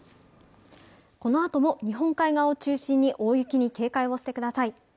このあとも日本海側を中心に大雪に警戒をしてください。